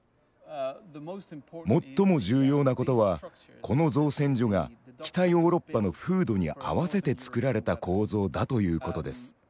最も重要なことはこの造船所が北ヨーロッパの風土に合わせてつくられた構造だということです。